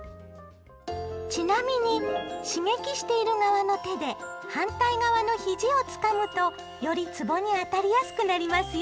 ちなみに刺激している側の手で反対側の肘をつかむとよりつぼに当たりやすくなりますよ！